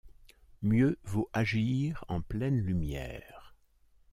Mieux vaut agir en pleine lumière.